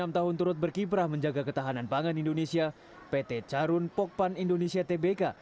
enam tahun turut berkiprah menjaga ketahanan pangan indonesia pt carun pokpan indonesia tbk